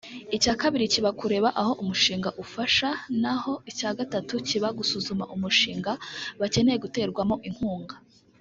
icya kabiri kiba kureba abo umushinga ufasha na ho icya gatatu kiba gusuzuma umushinga bakeneye guterwamo inkunga